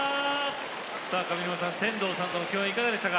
上沼さん、天童さんとの共演いかがでしたか？